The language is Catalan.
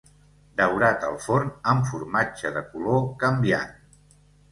Daurat al forn amb formatge de color canviant.